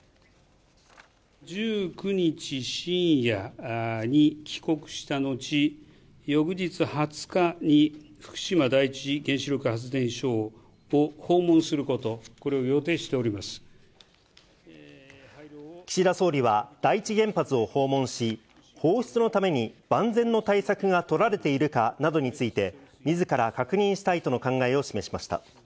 １９日深夜に帰国した後、翌日２０日に福島第一原子力発電所を訪問すること、これを予定し岸田総理は第一原発を訪問し、放出のために万全の対策が取られているかなどについて、みずから確認したいとの考えを示しました。